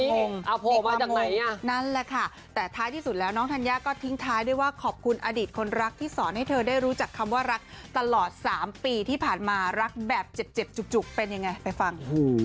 นี่ว่ายังไงนั่นแหละค่ะแต่ท้ายที่สุดแล้วน้องธัญญาก็ทิ้งท้ายด้วยว่าขอบคุณอดีตคนรักที่สอนให้เธอได้รู้จักคำว่ารักตลอด๓ปีที่ผ่านมารักแบบเจ็บจุกเป็นยังไงไปฟัง